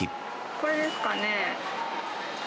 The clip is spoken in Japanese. これですかね？